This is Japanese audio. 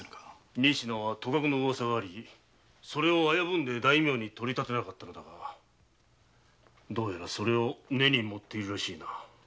仁科はとかくのウワサがあるゆえ大名に取り立てなかったのだがどうやらそれを根にもっているらしいな。